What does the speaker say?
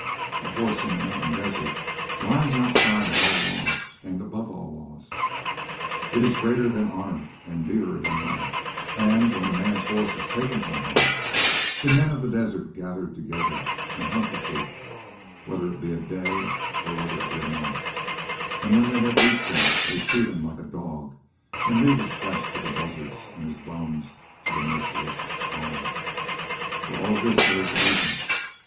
A horse in the mountain desert lies outside of all laws and above all laws. It is greater than honour and dearer than love, and when a man's horse is taken from him the men of the desert gather together and hunt the thief whether it be a day or whether it be a month, and when they have reached him they shoot him like a dog and leave his flesh to the buzzards and his bones to the merciless stars. For all of this there is a reason.